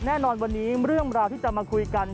แน่นอนวันนี้เรื่องราวที่จะมาคุยกัน